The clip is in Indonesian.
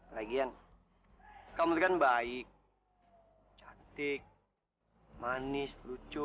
lagian kamu lagi kan baik cantik manis lucu